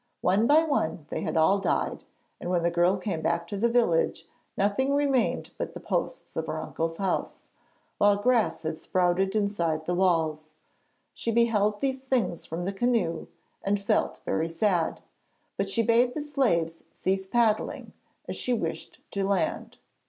One by one they had all died, and when the girl came back to the village nothing remained but the posts of her uncle's house, while grass had sprouted inside the walls. She beheld these things from the canoe and felt very sad, but she bade the slaves cease paddling, as she wished to land.